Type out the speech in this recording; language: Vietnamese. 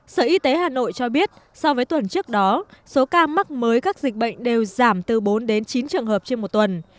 sở y tế hà nội cho biết so với tuần trước đó số ca mắc mới các dịch bệnh đều giảm từ bốn đến chín trường hợp trên một tuần